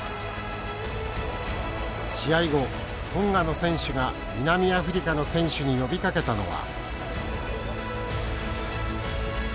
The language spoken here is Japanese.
試合後トンガの選手が南アフリカの選手に呼びかけたのは。